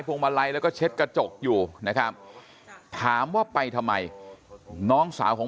วงมาลัยแล้วก็เช็ดกระจกอยู่นะครับถามว่าไปทำไมน้องสาวของ